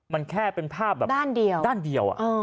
มันแค่เป็นภาพด้านเดียว